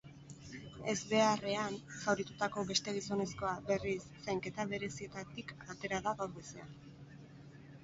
Ezbeharrean zauritutako beste gizonezkoa, berriz, zainketa berezietatik atera da gaur goizean.